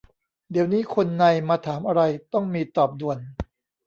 เดี๋ยวนี้คนใน มาถามอะไร ต้องมี ตอบด่วน